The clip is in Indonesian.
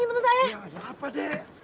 ya kenapa deh